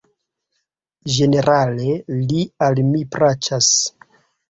Ĝenerale li al mi plaĉas.